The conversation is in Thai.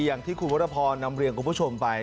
อย่างที่ครูพัทฟอร์นำเรียงกูพเจ้าไป